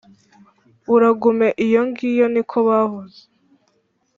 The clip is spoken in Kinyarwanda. uragume iyongiyo niko bavuze.